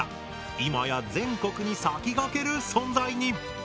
今や全国に先駆ける存在に！